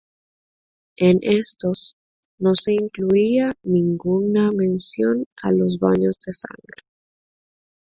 En estos no se incluía ninguna mención a los baños de sangre.